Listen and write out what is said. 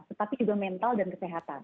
tetapi juga mental dan kesehatan